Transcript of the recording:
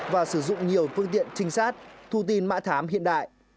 và sử dụng nhiều phương tiện trinh sát thu tin mã thám hiện đại